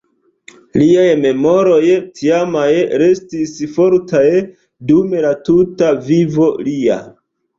Liaj memoroj tiamaj restis fortaj dum la tuta vivo lia.